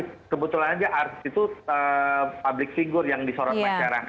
sebetulnya aja artis itu public figure yang disorot masyarakat